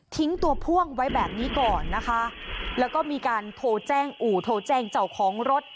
ตัวพ่วงไว้แบบนี้ก่อนนะคะแล้วก็มีการโทรแจ้งอู่โทรแจ้งเจ้าของรถ